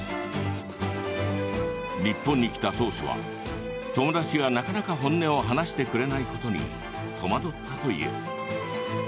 日本に来た当初は友達がなかなか本音を話してくれないことに戸惑ったという。